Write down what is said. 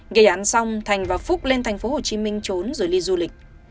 ngày án xong thành và phúc lên thành phố hồ chí minh trốn rồi ly du lịch